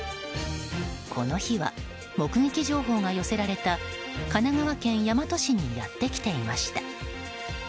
この日は、目撃情報が寄せられた神奈川県大和市にやってきていました。